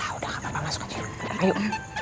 udah gak apa apa masuk aja ayo